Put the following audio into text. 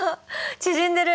縮んでる。